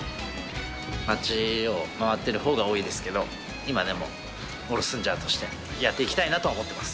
街を回っているほうが多いですけど、今でもおろすんジャーとして、やっていきたいなと思ってます。